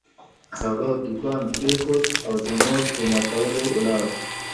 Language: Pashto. هغه دوکان پرېښود او د نوټ په ماتولو ولاړ.